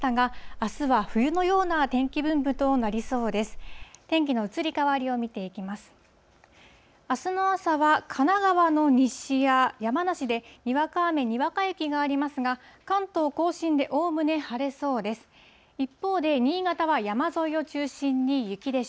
あすの朝は神奈川の西や山梨で、にわか雨、にわか雪がありますが、関東甲信でおおむね晴れそうです。